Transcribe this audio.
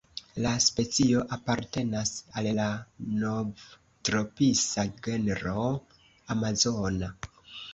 La specio apartenas al la Novtropisa genro "Amazona".